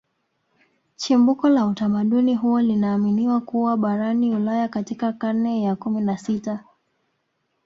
Chimbuko la utamaduni huo linaaminiwa kuwa barani Ulaya katika karne ya kumi na sita